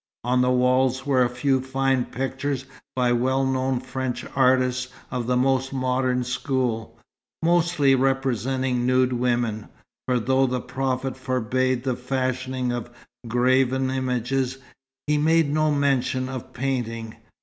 On the walls were a few fine pictures by well known French artists of the most modern school, mostly representing nude women; for though the Prophet forbade the fashioning of graven images, he made no mention of painting.